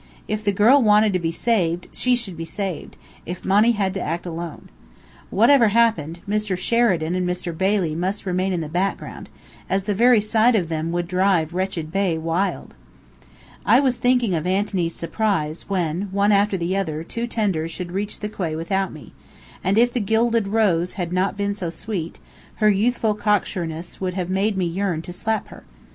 If the girl wanted to be saved, she should be saved, if Monny had to act alone. Whatever happened, Mr. Sheridan and Mr. Bailey must remain in the background, as the very sight of them would drive "Wretched Bey" wild! I was thinking of Anthony's surprise when one after the other, two tenders should reach the quay without me; and if the Gilded Rose had not been so sweet, her youthful cocksureness would have made me yearn to slap her.